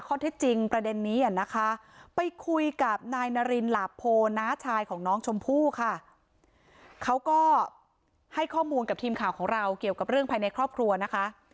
เขาก็ให้ข้อมูลกับทีมข่าวของเราเกี่ยวกับเรื่องภายในครอบครัวนะคะ